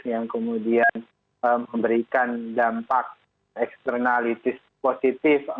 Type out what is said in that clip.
yang kemudian memberikan dampak eksternalitis positif